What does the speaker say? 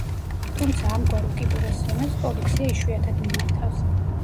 თუმცა ამგვარ უკიდურეს ზომებს პოლიცია იშვიათად მიმართავს.